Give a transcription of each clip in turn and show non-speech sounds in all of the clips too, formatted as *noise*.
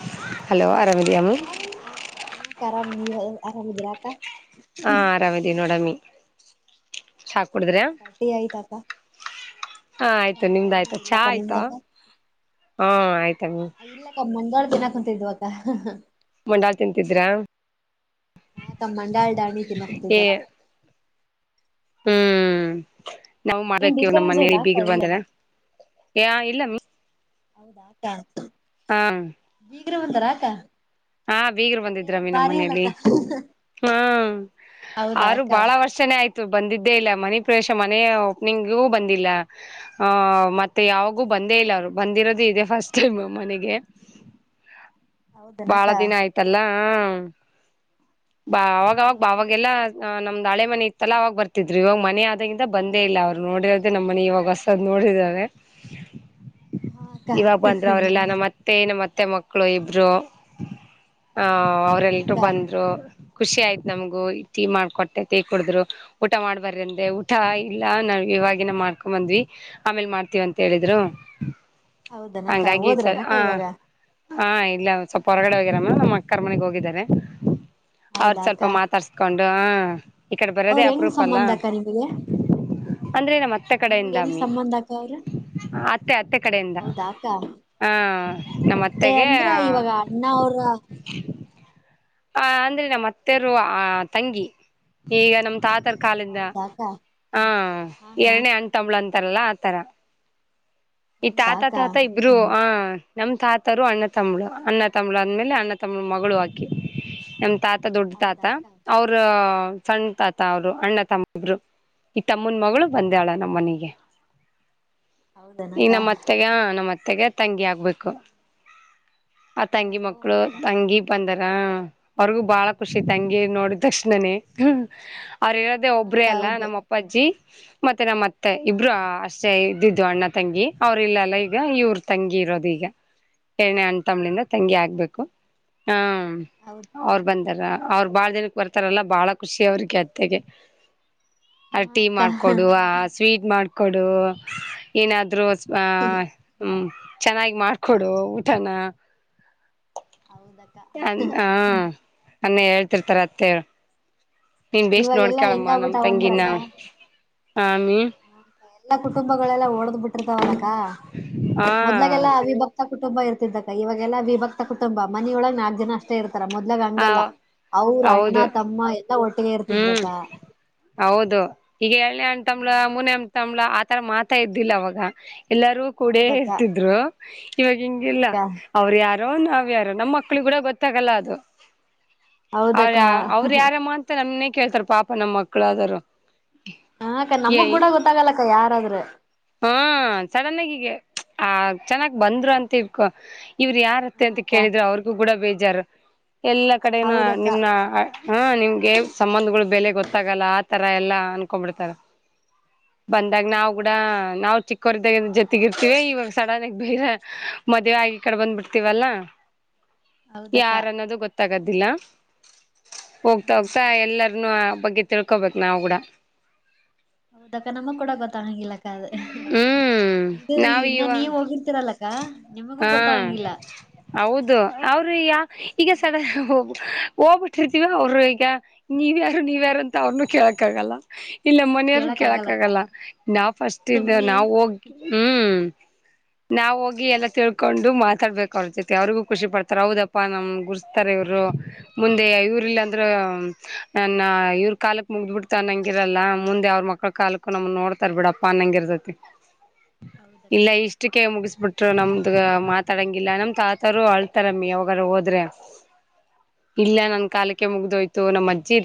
ಆರಾಮ್ ಹಲೋ ಅರಾಮಿದಿಯ ಅಮು ಹಾ ಹಾ ಅಕ್ಕ ಆರಾಮಿದೀವಿ ನೀವ ಆರಾಮಿದಿರಾ ಅಕ್ಕಾ ಹಾ ಆರಾಮದಿನೋಡಾಮಿ ಹಾ ಪಾರ್ಟಿ ಆಯಿತಾ ಅಕ್ಕ ಹಾ ಹ ಆಯ್ತು ನಿಮ್ದ ಇನ್ನ ಆಯ್ತಾ ಚಾ ಇಲ್ಲಕ್ಕ ಆಯ್ತಾ ನಿಮ್ದಕ್ಕ ಹಾ ಆಯ್ತಮ್ಮಿ ಮಂಡಾಳ ಬಿನಾಕಂತ ಇದ್ವಕ್ಕ ಮಂಡಾಳ್ ತಿಂತಿದ್ರಾ ಹಾ ಕ ಮಂಡಲ್ ದಾನ್ ತಿನ್ನೋಕೆ ಏ ಹತ್ತಿದ್ವಕ್ಕ ಹ್ಮ್ ನಾವು ಏನ್ ಮಾಡಕ್ಕೆವು್ ನಮ್ಮ ಡಿಸ್ಟರ್ಬೆನ್ಸ್ ಮನೇಲಿ ಐತಾ ಅಕ್ಕ ಬೀಗರ್ ಇಲ್ಲಲ್ಲ ಬಂದಾವ್ರ ಹ್ಮ್ಮ್ ಇಲ್ಲ ಹೌದಾ ಅಕ್ಕ ಹ್ಮ್ಮ್ಮ್ ಬೀಗ್ರ ಬಂದಾರಾಕ್ಕಾ ಹಾ ಬೀಗರು ಬಂದಿದ್ರಾಮಿ ನಮ್ಮ ಅಲ್ಲಕ್ಕ ಮನೆಯಲ್ಲಿ ಹ್ಮ ಹೌದಾ ಅವರು ಅಕ್ಕ ಬಾಳ ವರ್ಷ ಚನೇ ಆಯ್ತು ಬಂದಿದ್ದೇ ಇಲ್ಲ ಮನೆ ಪ್ರವೇಶ ಮನೆಯ ಓಪನಿಂಗು ಬಂದಿಲ್ಲ ಹ ಮತ್ತೆ ಯಾವಾಗೂ ಬಂದೇ ಇಲ್ಲ ಅವರು ಬಂದಿರೋದು ಇದೆ ಫಸ್ಟ್ ಟೈಮ್ ನಮ್ ಮನೆಗೆ ಬಾಳ ಹೌದನಕ್ಕ ದಿನ ಆಯ್ತಲ್ಲಾ *unintelligible* ಬಾ ಅವಾಗಾಗ ಅವಾಗೆಲ್ಲಾ ನಮ್ದ್ ಹಳೆ ಮನೆ ಇತ್ತಲ್ಲ ಅವಾಗ ಬರ್ತಿದ್್ರರು ಇವಾಗ ಮನೆ ಆದಾಗಿಯಿಂದ ಬಂದೇ ಇಲ್ಲ ಅವ್ರು ನೋಡಿರೋದೆ ನಮ್ಮ ಮನೆ ಇವಾಗ ಹೊಸದ್ ನೋಡಿದಾವೆ ಹಾ ಅಕ್ಕ ನಮ್ಮತ್ತೆ ನಮ್ಮತ್ತೆ ಮಕ್ಕಳು ಇಬ್ರು ಆ ಅವ್ರಲ್ರುೂ ಹೌದನಕ್ಕ ಬಂದ್ರು ಖುಷಿ ಆಯ್ತು ನಮಗು ಟೀ ಮಾಡ್ಕೊಟ್ಟೆ ಟೀ ಕುಡಿದ್ರು ಊಟ ಮಾಡ್ಬಾರ್ರ ಅಂದೆ ಊಟ ಇಲ್ಲ ನಾ ಇವಾಗಿನ ಮಾಡ್ಕೊ ಬಂದ್ವಿ ಆಮೇಲ್ ಮಾಡ್ತೀವ ಅಂತ ಹೇಳಿದ್ರು ಹೌದನಕ್ಕ ಹಂಗಾಗಿ ಸ ಹೋದ್ರನಕ್ಕ ಹ ಇವಾಗ ಹಾ ಇಲ್ಲ ಸ್ವಲ್ಪ ಹೊರಗಡೆ ಹೋಗಿರಮ್ಮ ನಮ್ಮ್ ಅಕ್ಕರ ಮನೆಗ್ ಹೋಗಿದ್ದಾರೆ ಅವ್ರ ಹೌದಾ ಅಕ್ಕ ಸ್ವಲ್ಪ ಮಾತಾಡ್ಸ್ತಾರೆ ಹಕೊಂಡು ಹ ಈಕಡೆ ಅವ್ರ ಬರೋದೇ ಹೆಂಗ್ ಅಪ್ರೂಪ ಅಲ್ಲ ಸಂಬಂಧ ಅಕ್ಕ ನಿಮಗೆ ಅಂದ್ರೆ ನಮ್ಮ ಮತ್ತೆ ನಿಮ್ಗ್ ಹೆಂಗ್ ಕಡೆಯಿಂದಮ್ಮಿ ಸಂಬಂಧ ಅಕ್ಕ ಅವ್ರು ಅತ್ತೆ ಅತ್ತೆ ಕಡೆಯಿಂದ ಹೌದಾ ಅಕ್ಕ ಹ ಅತ್ತೆ ನಮ್ಮತ್ತೆಗೆ ಅಂದ್ರ ಇವಾಗ ಅಣ್ಣ ಅವ್ರ *unintelligible* ಆ ಅಂದ್ರೆ ನಮ್ಮ್ ಅತ್ತೆರು ಆ ತಂಗಿ ಈಗ ನಮ್ ತಾತರ್ ಕಾಲಿಂದ ಹೌದಾಕ ಹಾ ಹಾ ಹಾ ಎರಡನೇ ಅಂಟ ತಮಳ ಅಂತಾರಲ್ಲ ಆ ತರ ಈ ತಾತ ಹಂಗಾಕ ತಾತ ಇಬ್ರು ನಮ್ಮ ತಾತರು ಅಣ್ಣ ತಂಬಳು ಅಣ್ಣ ತಂಬಳ ಅ ಆದಮೇಲೆ ಅಣ್ಣ ತಂಬಳ ಮಗಳು ಆಕಿ ನಮ್ ತಾತ ದೊಡ್ಡ ತಾತ ಹೌದಾಕ ಅವ್ರ ಸಣ್ಣ ತಾತ ಅವರು ಅಣ್ಣ ತಮ್ಮ ಇಬ್ರು ಈಗ ತಮ್ಮನ್ ಮಗಳು ಬಂದಾಳ ನಮ್ಮ ಮನೆಗೆ ಈ ಹೌದನಕ ನಮ್ಮತ್ತೆಗ ನಮ್ಮತ್ತೆ ಮತ್ತೆಗೆ ತಂಗಿ ಆಗ್ಬೇಕು ಆ ತಂಗಿ ಓಹೋ ಮಕ್ಕಳು ಹೌದಾ ತಂಗಿ ಬಂದರ ಅವ್ರಿಗೂ ಬಾಳ ಖುಷಿ ತಂಗಿ ನೋಡಿದ ತಕ್ಷಣನೇ ಅವ್ರು ಇರೋದು ಹಾ ಒಬ್ಬ್ರೇ ಅಕ್ಕ ಅಲ್ಲ ಹೌದು ನಮ್ಮಪ್ಪ ನಮ್ ಅಪ್ಪಾಜಿ ಮತ್ತೆ ನಮ್ಮತ್ತೆ ಹಾ ಇಬ್ರು ಅಕ್ಕ ಅಷ್ಟೇ ಇದ್ದಿದ್ದು ಅಣ್ಣ ತಂಗಿ ಅವ್ರ ಇಲ್ಲ ಅಲ್ಲ ಈಗ ಇವ್ರ ತಂಗಿ ಇರೋದು ಈಗ ಎರಡನೆ ಅಣ್ ತಂಬ್ಳಿಂದ ತಂಗಿ ಆಗ್ಬೇಕು ಹ್ಮ್ಮ್ಮ್ ಹೌದ್ ಅವ್ರು ಬಂದಾರ ಅವ್ರು ಬಾಳ ದಿನಕ್ಕೆ ಬರ್ತಾರಲ್ಲ ಬಾಳ ಖುಷಿ ಅವ್ರಿಗೆ ಅತ್ತೆಗೆ ಆ ಹಾ ಟೀ ಅಕ್ಕ ಮಾಡ್ಕೊಡು ಆ ಸ್ವೀಟ್ ಮಾಡ್ಕೊಡು ಏನಾದ್ರೂ ಆ ಹ್ಮ ಚೆನ್ನಾಗಿ ಮಾಡ್ಕೊಡು ಊಟನ ಹೌದಕ್ಕ ಹ್ಮ ಅನ್ನೆ ಹೇಳ್ತಿರ್ತಾರ ಅತ್ತೆೇ ನೀನ್ ಬೇಸ್ ಇವಾಗೆಲ್ಲಾ ನೋಡ್ಕಳಮ್ಮ ನಮ್ ಹೆಂಗಾಗ್ಬಿಟ್ಟಾವ ತಂಗಿನ ಆಮಿ ಹ ಎಲ್ಲಾ ಕುಟುಂಬಗಳೆಲ್ಲಾ ಓಡದ್ ಬಿಟ್ಟಿರ್ತಾವ ಅನಕ ಹಾ ಮೊದ್ಲಗೆಲ್ಲಾ ಅವಿಭಕ್. ಕುಟುಂಬ ಇರ್ತಿದ್ದಾಗ ಇವಾಗಲ್ಲ ವಿಭಕ್ತ ಕುಟುಂಬ ಮನಿಯ ಒಳ ನಾಲ್ಕ್ ಜನ ಅಷ್ಟೆ ಷ್ಟ ಇರ್ತಾರ ಮೊದ್ಲಾಗ ಆ ಹಂಗಲ್ಲ ಅವ್ರ ಅಣ್ಣ ಹೌದು ತಮ್ಮ ಎಲ್ಲಾ ಒಟ್ಟಿಗೆ ಹ್ಮ್ ಇರ್ತಿದ್ರಕ್ಕ ಹೌದು ಈಗ ಎಏನೇ ಅಂಟ್ಳ ಮೂನೆ ಅಂ ತಂಬ್ಳ ತರ ಮಾತಾ ಇದ್ದಿಲ್ಲ ಅವಾಗ ಎಲ್ಲರೂ ಕೂಡ ಹೌದಕ್ಕ ಹಾ ಇರ್ತಿದ್ರು ಇವಾಗ ಹಿಂಗಿಲ್ಲ ಅಕ್ಕ ಅವ್ ಯಾರ. ಯಾರ ನಾವ್ ಯಾರ ನಮ್ಮ್ ಮಕ್ಳಿಗೆ ಕೂಡ ಗೊತ್ತಾಗಲ್ಲ ಅದು ಅವ್ರ ಹೌದಕ್ಕ ಅವರು ಯಾರ ಮಾತ್ರ ಮ ನಮ್ನೆೇ ಕೇಳ್ತಾರೆ ಪಾಪ ನಮ್ಮ ಮಕ್ಳು ಅದರು ಹಕ್ಕ ನಮಗ್ ಕೂಡ ಗೊತ್ತಾಗಲ್ಲಕ್ಕ ಯಾರಾದ್ರರು. ಹಾ ಸಡನ್ ಆಗಗ ಆ ಚೆನ್ನಾಗಿ ಬಂದ್ರು ಅಂತ ಇಕೊ ಇವರು ಯಾರ. ಹಾ ಮತ್ತೆ ಅಂತ ಅಕ್ಕ ಕೇಳಿದ್ರರು ಅವ್ರಿಗೂ ಕೂಡ ಬೇಜಾರು ಎಲ್ಲಾ ಕಡೆನ ಹೌದಕ್ಕ ನಿಮ್ನ ಹಾ ನಿಮ್ಗೆ ಸಂಬಂಧಗಳು ಬೆಲೆ ಗೊತ್ತಾಗಲ್ಲ ಆತರ ಎಲ್ಲ ಅನ್ಕೊಂಡ್ಬಿಡ್ತಾರ. ಬಂದಾಗ ನಾವವು ಕೂಡ ಹೌದಲ್ಲಕ್ಕ ನಾವು ಚಿಕ್ಕವರಿದ್ದಾಗ ಜೊತೆಗಿರ್ತಿೀವಿ ಇವಾಗ ಸಡನ್ಗ ಬೇರೆ. ಮದುವ್ ಆಗಿ ಕಡೆ ಬಂದ್ ಬಿಿಡ್ತೀವಲ್ಲ ಹೌದಕ್ಕ ಯಾರ ಅನ್ನೋದು ಗೊತ್ತ ತಗದಿಲ್ಲ ಹಾ ಹೋಗ್ತಾ ಅಕ್ಕ ಹೋಗ್ತಾ ಎಲ್ಲರನುೂ ಆ ಬಗ್ಗೆ ತಿಳ್ಕೊಬೇಕು ನಾವವು ಕೂಡ. ಅಕ್ಕ ನಮ್ಮೂಡ ಗೊತ್ತ ಹಂಗಿಲ್ಲಾ ಹ್ಮ್ ಇದು ನಾವ್ ಇನ್ನ ಇವ ನೀವ್ ಹೋಗಿರ್ತಿೀರಲ್ಲಕ್ಕ ನಿಮಗೂ ಹಾ ಗೊತ್ತಂಗಿಲ್ಲ. ಹೌದು ಅವ್ರ ಈಗ ಈಗ ಸಡ ಹೋಗ್ಬಿಟ್ಟಿರ್ತಿೀವ ಅವರು ಈಗ. ನೀವ್ಯಾರು ನೀವ್ಯಾರು ಅಂತ ಅವ್ರನು ಕೇಳಕ್ಕ ಆಾಗಲ್ಲ. ಇಲ್ಲ ಮನೆಯವರು ಕೇಳಕ್ ಆಗಲ್ಲ ನಾವು ಫಸ್ಟ್ ಇ ಸುಮ್ನೆ ನಾವು ಹೋಗಿ ಹ್ಮ್ ನಾವ ಹೋಗಿ ಎಲ್ಲ ತಿಳ್ ಕೊಂಡು ಮಾತಾಡ್ಬೇಕು ಅವ್ರ ಜೊತೆ ಅವ್ರಿಗೂ ಖುಷಿ ಪಡ್ತಾರ ಹೌದಪ್ಪಾ ನಮ್ ಗುರ್ಸ್ತಾರೆ ಇವ್ರು. ಮುಂದೆ ಇವ್ರ ಇಲ್ಲ ಅಂದ್ರ ನನ್ನ ಇವ್ರ ಕಾಲಕ್ ಮುಗ್ದ್ ಬಿಡ್ತನ್ನಂಗಿರಲ್ಲ ಮುಂದೆ ಅವ್ರ ಮಕ್ಳ ಕಾಲ್ಕು ನಮ ನೋಡ್ತಾರ ಬಿಡಪ್ಪ ಅನ್ನಂಗ ಇರ್ಸತಿ ಹೌದಕ್ಕ ಇಲ್ಲ ಇಷ್ಟ ಅಟ್ಟಿಕ ಮುಗಿಸಬಿಟ್ರು ನಮ್ದ ಮಾತಾಡಂಗಿಲ್ಲ ನಮ್ ತಾತಾರರು ಆಳ್ತಾರಮ್ಮಿ ಯಾವಾಗಾರ ಹೋದ್ರೆ *unintelligible* ಇಲ್ಲ ನನ್ ಹೌದನಕ್ಕ ಕಾಲಕ್ಕೆ ಮುಗ್ದೋಯ್ತು ಇ ನಮ್ಮ ಅಜ್ಜಿ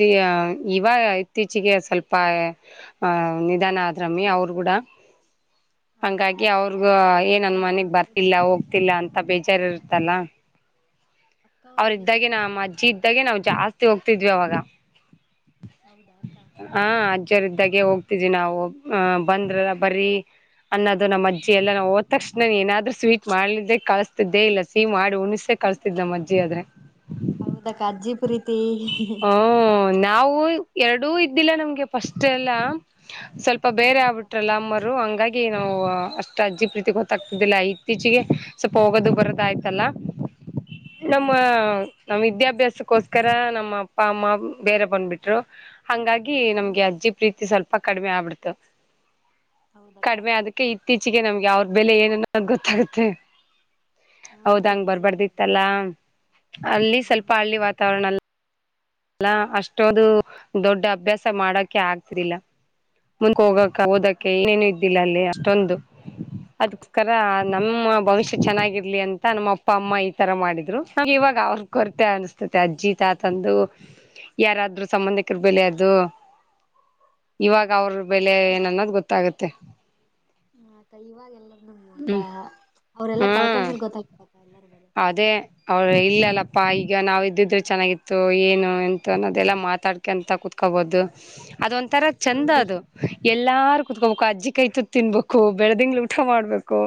ಇವ ಇತ್ತೀಚಿಗೆ ಸ್ವಲ್ಪ ಆ ನಿಧಾನ ಆದ್ರಮ್ಮಿ ಅವ್ರ ಡ ಹೌದಾ ಹಾಂಗಾಗಿ ಅಕ್ಕ ಅವ್ರಗ ಹಾ ಏನ್ನ್ ಹಾ ಮನೆಗ್ ಹೌದ ಬರ್ತಿಲ್ಲ ಹೋಗ್ತಿಲ್ಲ ಅಂತ. ಬೇಜಾರ ಇರ್ತ್ತಲ್ಲ ಅಕ್ಕ ಅವ್ರು ಅವ್ರ ಇದ್ದಾಗೆ ಹೇಳಿದ್ರಕ್ಕ ನಮ್ಮ ಏನೋ ಅಜ್ಜಿ. ಇದ್ದಾಗೆ ನಾವು ಜಾಸ್ತಿ ಹೋಗ್ತಿದ್ವಿ ಅವಾಗ. ಹೌದಾ ಅಕ್ಕ ಹಾ ಅಜ್ಜರ ಇದ್ದಾಗೆ ಹೋಗ್ತಿದ್ದವಿ ನಾವು. ಬಂದ್ರಲ್ಲ ಬರೀ ಅನ್ನೋದು ನಮ್ಮ ಅಜ್ಜಿ ಎಲ್ಲ ನಾ ಹೋದ ತಕ್ಷಣ ಏನಾದ್ರು ಸ್ವೀಟ್ ಮಾಡ್ಲಿದೆ ಕಸ ದೆ ಇಲ್ಲ ಸಿಹ ಮಾಡಿ ಉಣ್ಸೆ ಕಳ್ಸ್ತಿದ್ ನ ಅಜ್ಜಿ ಆದ್ರೆ ಹೌದಾ ಅಕ್ಕ ಅಜ್ಜಿ ಪ್ರೀತಿ ಹ್ಮ ನಾವು ಎರಡೂ ಇದ್ದಿಲ್ಲ ನಮ್ಗೆ ಫಸ್ಟ್ ಎಲ್ಲ ಸ್ವಲ್ಪ ಹಾ ಬೇರೆ ಅಕ್ಕ ಆಗ್ಬಿಟ್ಟು ಗಲಾಮರು ಹಂಗಾಗಿ ನಾವು ಅಷ್ಟ್ ಅಜ್ಜಿ ಪ್ರೀತಿ ಗೊತ್ತಾಗ್ತಿದ್ದಿಲ್ಲ ಇತ್ತೀಚೆಗೆ. ಸ್ವಲ್ಪ ಹೋಗೋದು ಬರದ ಆಯ್ತಲ್ಲ ಹಾ ನಮ್ಮ. ಅಕ್ಕ ನಮ್ಮ್ ವಿದ್ಯಾಭ್ಯಾಸಕ್ಕೋಸ್ಕರ ನಮ್ಮ ಅಪ್ಪ ಅಮ್ಮ ಬೇರೆ ಬಂದ್ಬಿಟ್ರು. ಹಂಗಾಗಿ ಹಾ ನಮ್ಗೆ ಅಕ್ಕ ಅಜ್ಜಿ ಪ್ರೀತಿ ಸ್ವಲ್ಪ ಕಡಿಮೆ ಆಗ್ಬಿಡ್ತು. ಹೌದಕ್ಕ ಕಡಿಮೆ ಅದಕ್ಕೆ ಇತ್ತೀಚಿಗೆ ನಮ್ಗೆ ಅವ್ರ ಬೆಲೆ ಏನನ್ನೋದು ಗೊತ್ತಾಗುತ್ತೆ. ಹಾ ಹೌದ ಅಕ್ಕ ಹಂಗ ನಿಜ ಅಕ್ಕ ಅದು ಬರ್ಬಾರ್ದಿತ್ತಲ್ಲಾ ಅಲ್ಲಿ ಸ್ವಲ್ಪ ಹ್ಮ್ ಹಳ್ಳಿ ವಾತಾವರಣ ಅಲ್ಲ ಅಲ್ಲ ಅಷ್ಟೊದು ದೊಡ್ಡ ಅಭ್ಯಾಸ ಮಾಡಕೆ ಆಗ್ತಿರಿಿಲ್ಲ ಮುಂದಕ್ ಹೋಗಕ್. ಕಲೋದಕ್ಕೆ ಹೌದಕ್ಕ ಇನೇನು ಇದ್ದಿಲ್ಲ ಅಲ್ಲಿ ಅಷ್ಟೊಂದು ಅದ ಕರ ನಮ್ಮ ಹ್ಮ್ ಹ್ಮ್ ಭವಿಷ್ಯ ಚೆನ್ನಾಗಿರ್ಲಿ ಅಂತ ನಮ್ಮಪ್ಪ ಅಪ್ಪ ಅಮ್ಮ ಈ ತರ ಮಾಡಿದ್ರು ಇವಾಗ ಅವ ಕೊರತೆ ಅನಸ್ತತೆ ಅಜ್ಜಿ ತಾತ ತಂದು ಯಾರಾದ್ರರು ಸಂಬಂಧಿಕರ ಬೆಲೆ ಅದು ಇವಾಗ ಅವ್ರ ಹೌದಕ್ಕ ಬೆಲೆ ಏನನ್ನೋದು ಗೊತ್ತಾಗತ್ತೆ ಹ ಆಯ್ತಾ ಇವಾಗ ಎಲ್ಲಾರನು ಅವರೆಲ್ಲ ಹ್ಮ್ ಕಳ್ಕೊಂಡ್ಮೇಲೆ ಗೊತ್ತಾಗ್ಪ್ಪ ಎಲ್ಲಾರ ಬಲೆ ಅದೇ ಅವ್ರ ಇಲ್ಲಲ್ಲಪ್ಪಾ ಈಗ ನಾವು ಇದ್ದಿದ್ರೆ ಚೆನ್ನಾಗಿತ್ತು ಏನು ಎಂತ ಅನ್ನೋದೆಲ್ಲ ಮಾತಾಡ್ ಕೆಂತ ಕುೂತ್ಕೋಬಹುದು ಅದ ಒಂಥರ ಚಂದ ಹೌದಕ್ಕ ಅದು ಎಲ್ಲಾರು ಕುೂತ್ಕೋಬೇಕು ಅಜ್ಜಿ ಕೈತ ತಿನ್ಬೇಕು ಬೆಳದಿಂಗ್ ಊಟ ಮಾಡ್ಬೇಕು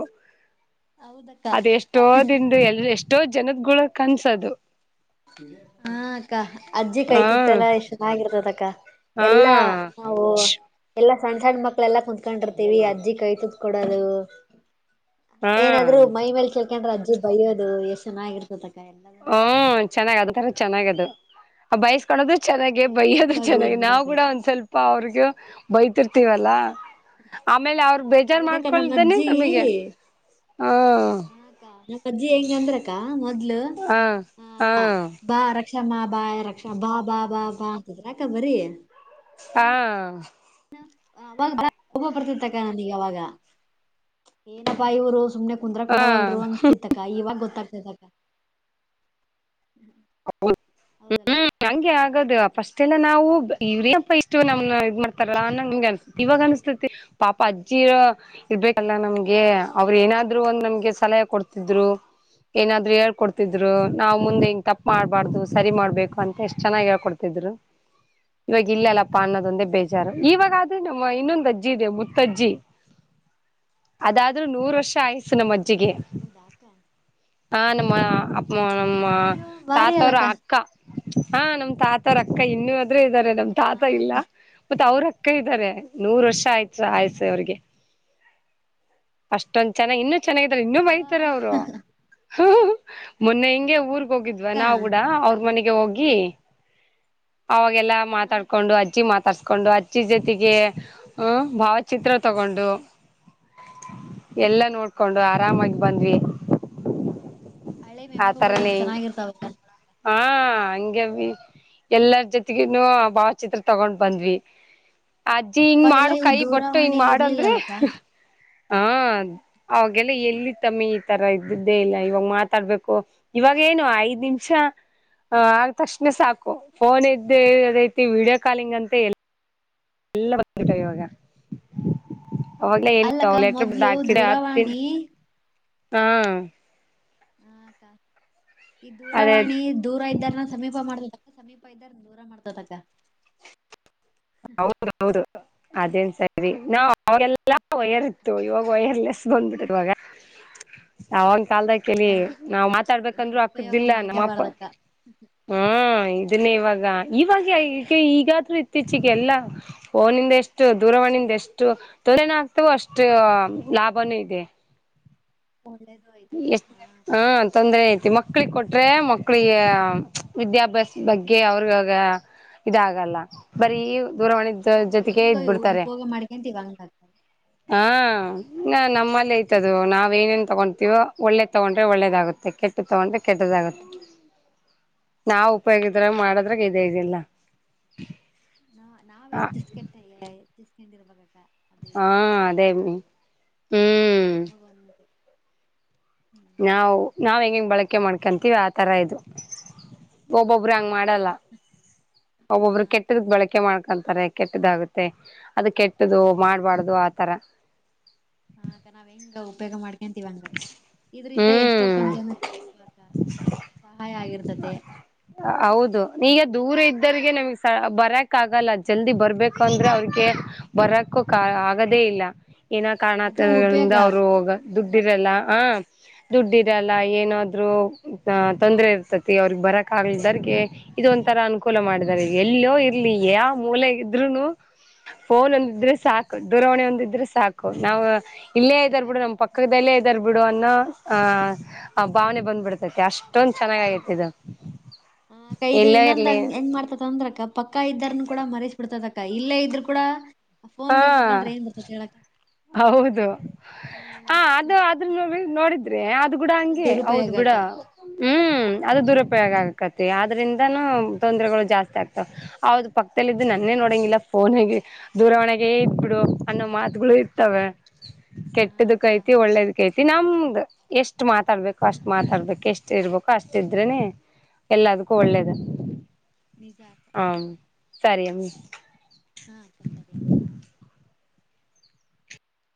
ಹೌದಕ್ಕ ಅದ ಎಷ್ಟೋ ದಿಂದ ಎಲ್ ಎಷ್ಟೋ ಜನದ್ುಳ ಕನ್ಸದು ಹಾ ಅಕ್ಕ ಅಜ್ಜಿ ಹ ಕಾಯತಿತ್ತಲ್ಲಾ ಎಷ್ಟ ಚೆನ್ನಾಗಿರ್ತದ ಅಕ್ಕ ಹಾ ಎಲ್ಲಾ ಹ ಎಲ್ಲಾ ಸಣ್ಣ ಸಣ್ಣ ಮಕ್ಳೆಲ್ಲಾ ಕುಂತ್ಕೊಂಡಿರ್ತೀವಿ ಅಜ್ಜಿ ಕೈ ತೂತ್ಕ ಕೊಡೋದು ಹಾ ಏನಾದ್ರು ಮೈ ಮೇಲ್ ಚಳ್ಕೊಂಡ್ರೆ ಅಜ್ಜಿ ಬಯ್ಯೋದು ಎಷ್ಟ್ ಚೆನ್ನಾಗಿರ್ತತಕ್ಕ ಎಲ್ಲ ಹ್ಮ ಚೆನ್ನಾಗ್ ಅದ ತರ ಚೆನ್ನಾಗ ಅದು ಬಯಸ್ಕಳೋದು ಚೆನ್ನಾಗಿ ಎಲ್ಲಾ ಬೈಯೋದು ನೆನಪಾಗಿ ಚೆನ್ನಾಗಿ ಉಳದ್ ನಾವು ಬಿಡಕ ಕೂಡ ಒಂದ್ ಸ್ವಲ್ಪ ಅಪ್ಪ ಅವ್ರಿಗ ಬೈತಿರ್ತೀವಲ್ಲ ಆಮೇಲೆ ಅವರು ಬೇಜಾರ್ು ಹೌದಕ್ಕ ಮಾಡ್ಕೊಳ್್ದನೆ ನಮ್ಮಜ್ಜಿ ನಮಗೆ ಹಾ ಹ ನಮ್ಮ್ ಅಜ್ಜಿ ಹೆಂಗ ಅಂದ್ರಕ್ಕ ಮೊದ್ಲು ಹ ಹ ಬ ರಕ್ಷಾ ಬಾ ಬಾ ರಕ್ಷಾ ಬಾ ಬಾ ಬಾ ಬಾ ಅಂತಿದ್ರಾಕ ಬರ ಹಾ ಹಬ ಬರ್ತಿರ್ತಕ್ಕ ನನೀಗ ಅವಾಗ ಏನಪ್ಪಾ ಇವರು ಸುಮ್ನೆ ಹ ಕುಂದ್ರಕ್ ಬಿಡವಲ್ರು ಅನ್ಸ್ತಿತ್ಕ ಇವಾಗ ಗೊತ್ತಾಗ್ತದಕ್ಕ ಅಬೊಲ ಹೌದಲ್ಲ ಹ್ಮ್ ಹಂಗೆ ಹಾ ಆಗದ ಅಕ್ಕ ಪಸ್ಟ್ ಎಲ್ಲ ನಾವು ಇವ್ರಪ್ಪ ಇಷ್ಟು ನಮ್ಮ ಇದ್ ಮಾಡ್ತಾರಾ ಅನ್ನಂಗೆ ಅನ್ಸ್ತ ಇವಾಗ ಅನ್ಸ್ತತಿ ಪಾಪಾ ಅಜಿರ ಇರ್ಬೇಕಲ್ಲ ನಮ್ಗೆ ಅವರು ಏನಾದ್ರು ಒಂದು ನಮ್ಗೆ ಸಲಹೆ ಕೊಡ್ತಿದ್ರು ಏನಾದ್ರು ಹೇಳ್ಕೊಡ್ತಿದ್ರು ನಾವ್ ಮುಂದೆ ಹೆಂಗ ತಪ್ಪಪ್ ಮಾಡ್ಬಾರ್ದು ಸರಿ ಮಾಡ್ಬೇಕು ಹಾ ಅಂತ ಎಷ್ಟ್ ಚನ್ನಾಗ ಹೇಳ್ಕೊಡ್ತಿದ್ವಿ ತಿದ್ರು ಇವಾಗ ಇಲ್ಲ ಅಲ್ಲಪ್ಪ ಅನ್ನದೊಂದೇ ಬೇಜಾರು ಇವಾಗ ಅದೇ ನಮ್ಮ ಇನ್ನೊಂದ್ ಅಜ್ಜಿ ಹೌದಕ್ಕ ಇದೆ ಮುತ್ತಜ್ಜಿ ಅದಾದ್ರೂ ನೂರು ವರ್ಷ ಆಯ್ಸು ನಮ್ಮ ಅಜ್ಜಿಗೆ ಉದಾಕ ಹಾ ನಮ್ಮ ಅಪ ಆ ನಮ್ಮ ಅಯ್ಯೋ ಬಾರಿ ತಾತವ್ರ ಅಲ್ಲಕ್ಕ ಅಕ್ಕ ಹಾ ನಮ್ ತಾತರ ಅಕ್ಕ ಇನ್ನುೂಾದ್ರೆ ಇದ್ದಾರೆ ನಮ್ ಹಾ ತಾತ ಇಲ್ಲ ಅಕ್ಕ ಮತ್ತ ಅವ್ರಕ್ಕ ಅಕ್ಕ ಇದ್ದಾರೆ ನೂರ್ ವರ್ಷ ಆಯ್ತ್ ಆಯಸೆ ಅವಿಗೆ ಅಷ್ಟೊಂದ್ ಚೆನ್ನಾಗಿ್ ಇನ್ನುೂ ಚೆನ್ನಾಗಿದಾರ ಇನ್ನುೂ ಅಬ್ಬಾ ಬೈತಾರ ಅವರು ಮೊನ್ನೆ ಹಿಂಗೆ ಊರ್ಗ್ ಹೌದಾ ಹೋಗಿದ್ವ ಅಕ್ಕ ನಾವವು ಕೂಡ ಅವ್ರ ಮನೆಗೆ ಹೋಗಿ ಅವಾಗೆಲ್ಲ ಹಾ ಅಕ್ಕ ಮಾತಾಡ್ಿಕೊಂಡು ಅಜ್ಜಿ ಮಾತಾಡ್ಸ್ಕೊಂಡು ಅಜ್ ಜೊತೆಗೆ ಭಾವಚಿತ್ರ ತಗೊಂಡು *inaudible* ಎಲ್ಲಾ ಹೌದಾ ನೋಡ್ಕೊಂಡು ಅಕ್ಕ ಆರಾಮಾಗಿ ಬಂದ್ವಿ ಆತರಾನೇ ಹೆಂಗ ಹೌಕ ಹಾ ಹಂಗೆ ಹಂಗೆ ಬಿ ಎಲ್ಲರ ಜೊತೆಗೂ ಭಾವಚಿತ್ರ ತಗೊಂಡ್ ಬಂದ್ವಿ ಅಜ್ಜಿ ಹಿಂಗ್ ಅವಾಗೆಲ್ಲಾ ಮಾಡು ಇವು ಕೈ ಬಟ್ಟು ಹಿಂಗ ದೂರವಾಣಿ ಮಾಡ ಅಂದ್ರೆ ಇರ್ಲಿಲ್ಲಲ್ಲಕ್ಕ ಹ ಅವಾಗಲ್ಲ ಎಲ್ಲಿ ತಮ್ಮಿ ಈ ತರ ಇದ್ದಿದ್ದೆ ಇಲ್ಲ ಇವಾಗ ಮಾತಾಡ್ಬೇಕು ಇವಾಗ ಏನು ಐದ್ ನಿಮಿಷ ಹಾಲ್ ತಕ್ಷಣ ಸಾಕು ಫೋನ್ ಇದ್ದು ಅದೈತಿ ವೀಡಿಯೋ ಕಾಲಿಂಗ್ ಅಂತ ಎಲ್ಲ ಎಲ್ಲ ಬರ್ತೀತಿ ಇವಾಗ ಹೌದ ಆವಾಗ್ಲೇ ಹೇಳಿ ಅಲ್ಲಕ್ಕ ತೊಗೊಲೆ ಲೆಟ್ರ ಮೊದ್ಲು ಬಿಟ್ಟ ಹಾ ಹತ್ ದೂರವಾಣಿ ಹಾ ಈ ಅದೇ ದೂರವಾಣಿ ದೂರ ಇದ್ದವರ್ನ ಸಮೀಪ ಮಾಡ್ತಕ್ಕಾ ಸಮೀಪ ಇದ್ದವ್ರನ ದೂರ ಮಾಡ್ತತಕ. ಹೌದೌದು. ಅದೇನ್ ಸರಿ ನಾ ಅವಾಗೆಲ್ಲಾ ವಯರ್ ಇತ್ತು ಇವಾಗ ವಯರ್ಲೆಸ್ ಬಂದ್ಬಿಟ್ಟರುವಾಗ ಯಾವನ್ ಕಾಲದ ಕಲಿ ಹೌದಕ್ಕ ನಾವ್ ಮಾತಾಡ್ಬೇಕಂದ್ರು ದುರುಪಯೋಗ ಅಕ್ದಿಲ್ಲ ನಮ್ಮ ಅಪ್ಪ ಮಾಡ್ಕ್ಯಾಬಾರ್ದಕ್ಕ ಹ್ಮ ಇದನ್ನೇ ಇವಾಗ ಇವಾಗ ಅವ ಈಗ ಈಗಾದ್ರೂ ಇತ್ತೀಚಿಗೆ ಎಲ್ಲ ಫೋನಿಂದ ಎಷ್ಟು ದೂರವಾಣಿಯಿಂದ ಎಷ್ಟು ತಲೆ ನೋವು ಆಗ್ತವೋ ಅಷ್ಟು ಲಾಭನೂ ಇದೆ ಒಳ್ಳೆದು ಆಯ್ತಕ್ಕ ಹಾ ಅಕ್ಕಾ ಹೌದಕ್ಕ. *inaudible* ಮಕ್ಕಳಿಗೆ ಕೊಟ್ರೆ ಮಕ್ಕಳಿಗೆ ವಿದ್ಯಾಭ್ಯಾಸ ಬಗ್ಗೆ ಅವ್ರಗಾಗ ಇದಾಗಲ್ಲ ಬರೀ ದೂರವಾಣಿ ನಾವ ಜೊತೆಗೆ ಹೆಂಗ ಇದಬಿಡ್ತಾರೆ ಉಪಯೋಗ ಮಾಡ್ಕೊಂತೀವಿ ಹಂಗ ಅಕ್ಕ ಹಾ. ಹೌದಕ್ಕ ನಾ ನಮ್ಮಲ್ಲಿ ಐತದು ನಾವ್ ಏನೇನ್ ತಗೊಂಡ ತಿವೋ ಒಳ್ಳೆ ತೊಗೊಂಡ್ರೆ ಒಳ್ಳೇದಾಗುತ್ತೆ ಕೆಟ್ಟು ತೊಗೊಂಡ್ರೆ ಕೆಟ್ಟದಾಗುತ್ತೆ. ನಾವ ಹೌದಕ್ಕ ಉಪಯೋಗಿದ್ರ ಮಾಡದ್ರಾಗ ಇದೇ ಇದಿಲ್ಲ. ನಾ ನಾವ್ ಹ ಹೆಚ್ಚಿಸ್ಕಟ್ಟ ಹೆಚ್ಚಿಸಕೊಂಡ ಇರ್ಬೇಕಕ್ಕ. ಹಾ ಅದೇ ಅನ್ನಿ ಹ್ಮ್. ಒಂದು ನಮಗ *inaudible* ನಾವು ನಾವ್ ಹೆಂಗಿಂಗ್ ಬಳಕೆ ಮಾಡ್ಕೊಂತೀವಿ ಆತರ ಇದು. ಒಬ್ಬೊಬ್ಬರ ಹಂಗ್ ಹೌದಕ್ಕ ಮಾಡಲ್ಲ ಹಾ ಒಬ್ಬೊಬ್ಬರು ಅಕ್ಕ ಕೆಟ್ಟದ ಬಳಕೆ ಮಾಡ್ಕ ಅಂತಾರೆ ಕೆಟ್ಟದಾಗುತ್ತೆ ಅದು ಕೆಟ್ಟ್ದು ಹೌದ ಮಾಡ್ಬಾರ್ದು ಆತರ ಹ ನಾವ್ ಹೆಂಗ ಉಪಯೋಗ ಮಾಡ್ತವಿ ಇದ್ವಿವಂಗಕ್ಕ ಇದ್ರಂದ ಎಷ್ಟೋ ಹ್ಮ್ ಕೊಂಚನಕ್ಕ ಸಹಾಯ ಆಗಿರ್ತದೆ. ಹೌದು ಈಗ ದೂರ ಇದ್ದರ್ರಿಗೆ ನಮಗ್ ಬರಕ್ ಆಗಲ್ಲ ಜಲ್ದಿ ಬರ್ಬೇಕಂದ್ರೆ ಅವ್ರಿಗೆ ಬರಕ್ಕು ಆಗದೇ ಇಲ್ಲ ಏನ ಅದು ಉಪಯೋಗ ಕಾರಣತಗಳಿಂದ ಅಕ್ಕ ಅವ್ರು ಹೋಗ ದುಡ್ಡಿರಲ್ಲ ಹ ದುಡ್ಡು ಇರಲ್ಲ ಏನಾದ್ರು ತೊಂದ್ರೆ ಇರ್ತತಿ ಅವ್ರಿಗೆ ಬರಕ್ ಆಗಲ್ದರ್ಗೆ. ಇದ ಒಂತರ ಅನುಕೂಲ ಮಾಡಿದಿದ್ದಾರೆ ಎಲ್ಲಯೋ ಇರ್ಲಿ ಯಾವ ಮೂಲೆ ಇದ್ರುನು ಫೋನ್ ಒಂದಿದ್ರೆ ಸಾಕು ದೂರವಾಣಿ ಒಂದಿದ್ರೆ ಸಾಕು ನಾವು ಇಲ್ಲೇ ಹೌದಕ್ಕ ಇದ್ದರ್ ಬಿಡು ನಮ್ಮ್ ಪಕ್ಕದಲ್ಲೇ ಇದ್ದರ್ ಬಿಡು ಅನ್ನೋ ಆಹ್ ಆ ಭಾವನೆ ಬಂದ್ಬಿಡ್ತೈತಿ ಅಷ್ಟ. ಅಷ್ಟೊಂದ್ ಚೆನ್ನಾಗ ಆತ್ತುದ್ದದು. ಹ ಕೈದು ಇನ್ನೊಂದ್ ಹಂಗ್ ಹೆಂಗ್ ಮಾಡ್ತೈತಿ ಅಂದ್ರ ಅಕ್ಕ ಪಕ್ಕ ಇದ್ದಾರೂ ಕೂಡ ಮರಿಸಿ ಬಿಡ್ತೇತ್ ಅಕ್ಕಾ ಇಲ್ಲೇ ಇದ್ರು ಕೂಡ ಆಫೋನ್ ಹಾ ಹುಡಗಿ ಕುತ್ಕೊಂಡ್ರ ಏನ್ ಬರ್ತತ್ ಹೇಳಕ್ಕ ಹೌದು ಹ್ಮ್ ಹಾ ಅದು ಆದ್ರ ನೋಡಿದ್ರೆ ಅದು ಬಿೂಡ ಹಂಗೆ ಹೌದ್ ದುರುಪಯೋಗ ಅಕ್ಕ ಬಿಡು ಹ್ಮ್ ಅದು ದುರುಪಯೋಗ ಆಗ್ಕತಿ ಆದ್ರಿಂದಾನೂ ತೊಂದರೆಗಳು ಜಾಸ್ತಿ ಆಗ್ತಾವ ಅದು ಪಕ್ಕದಲ್ಲಿದ್ದು ನನ್ನೇ ಹೌದಕ್ಕ ನೋಡಂಗಿಲ್ಲ ಫೋನ ಹೆಂಗ ದೂರವಾಣಿಗೆ ಇಟ್ಬಿಡು ಅನ್ನೋ ಮಾತುಗಳು ಇರ್ತವೆ. ಹಾ ಅಕ್ಕ ಕೆಟ್ಟದಕೈತಿ ಒಳ್ಳೇದ ಕೇತಿ ನಮ್ದ್ ಎಷ್ಟ್ ಮಾತಾಡ್ಬೇಕು ಅಷ್ಟ್ ಮಾತಾಡ್ಬೇಕು ಎಷ್ಟ ಇರ್ಬೇಕು ಅಷ್ಟ ಇದ್ರೆನೆ ಎಲ್ಲದಕ್ಕೂ ಒಳ್ಳೇದು ಹೌದ್ ನಿಜ ಅಕ್ಕ ಹ ಸರಿಮ್ಮ. ಹಾ